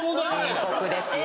深刻ですよ